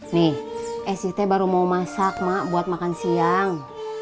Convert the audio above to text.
nih esit baru mau masak mak buat makan siang